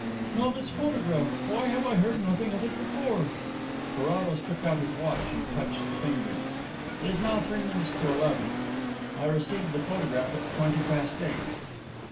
"Now this photograph. Why have I heard nothing of it before?" Carrados took out his watch and touched the fingers. "It is now three minutes to eleven. I received the photograph at twenty past eight."